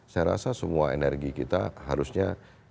saya rasa semua energi kita harusnya